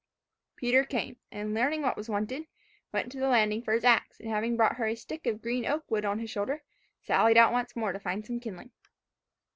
Peter came, and learning what was wanted, went to the landing for his ax, and having brought her a stick of green oak wood on his shoulder, sallied out once more to find some kindling.